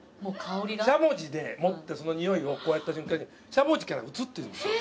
しゃもじで持ってそのにおいをこうやった瞬間にしゃもじから移ってるんですよ。